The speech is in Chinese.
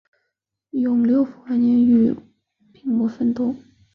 永六辅晚年与病魔奋斗。